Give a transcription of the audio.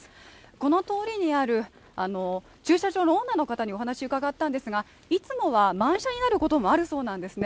この通りにある駐車場のオーナーの方にお話を伺ったんですが、いつもは満車になることもあるそうなんですね